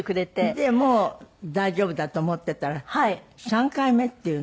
でもう大丈夫だと思っていたら３回目っていうのは？